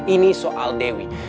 ini soal dewi